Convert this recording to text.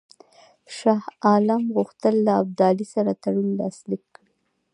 شاه عالم غوښتل له ابدالي سره تړون لاسلیک کړي.